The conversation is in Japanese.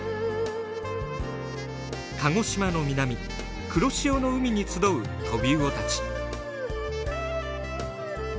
鹿児島の南黒潮の海に集うトビウオたち。